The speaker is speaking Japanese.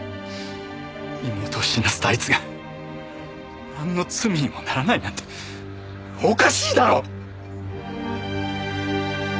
妹を死なせたあいつがなんの罪にもならないなんておかしいだろ！